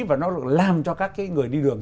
và nó làm cho các người đi đường